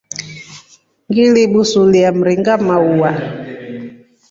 Ngiri busulia mringa maua.